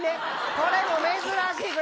これも珍しい。